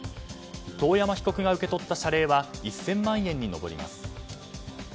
遠山被告が受け取った謝礼は１０００万円に上ります。